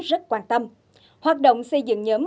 rất quan tâm hoạt động xây dựng nhóm